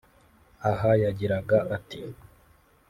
Aha yagiraga ati